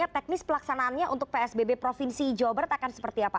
teknis pelaksanaannya untuk psbb provinsi jawa barat akan seperti apa